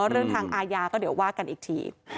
เรื่องทางอาญาก็เดี๋ยวว่ากันอีกที